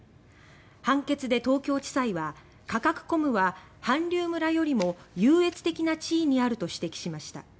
判決で東京地裁はカカクコムは韓流村よりも優越的な地位にあると指摘しました。